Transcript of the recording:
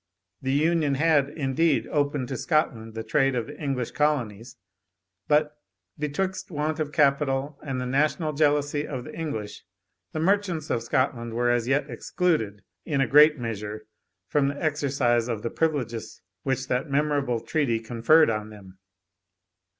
The Union had, indeed, opened to Scotland the trade of the English colonies; but, betwixt want of capital, and the national jealousy of the English, the merchants of Scotland were as yet excluded, in a great measure, from the exercise of the privileges which that memorable treaty conferred on them.